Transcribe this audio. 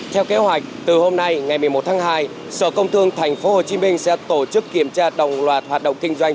theo kế hoạch từ hôm nay ngày một mươi một tháng hai sở công thương tp hcm sẽ tổ chức kiểm tra đồng loạt hoạt động kinh doanh